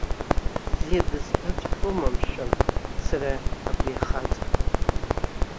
Бзиа дызбаҵәҟьома мшәан, сара абри ахаҵа?!